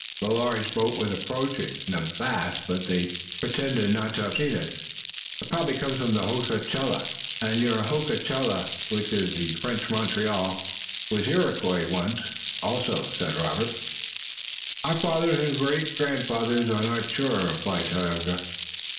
The large boat was approaching them fast, but they pretended not to have seen it. "Probably it comes from Hochelaga," said Tayoga. "And your Hochelaga, which is the French Montreal, was Iroquois once, also," said Robert. "Our fathers and grandfathers are not sure," replied Tayoga.